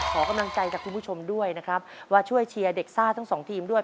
ขอกำลังใจจากคุณผู้ชมด้วยนะครับว่าช่วยเชียร์เด็กซ่าทั้งสองทีมด้วย